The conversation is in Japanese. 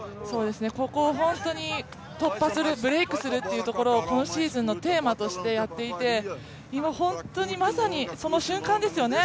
ここ、本当に突破する、ブレイクするというところを今シーズンのテーマとしてやっていて今、本当にまさに、その瞬間ですよね。